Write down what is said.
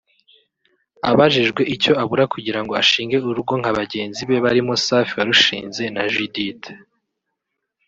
Abajijwe icyo abura kugirango ashinge urugo nka bagenzi be barimo Safi warushinze na Judithe